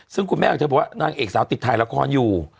ซึ่งคุณแม่ของเธอบอกว่านางเอกสาวติดถ่ายละครอยู่